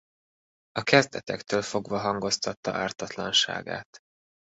A kezdetektől fogva hangoztatta ártatlanságát.